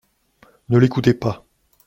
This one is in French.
Ne l’écoutez pas !